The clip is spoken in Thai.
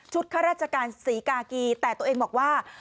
ข้าราชการศรีกากีแต่ตัวเองบอกว่า